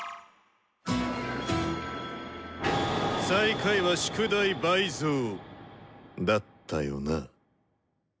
⁉最下位は宿題倍増だったよな？